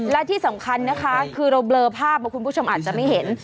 และที่สำคัญนะคะคือเราเบลอภาพมาคุณผู้ชมอาจจะไม่เห็น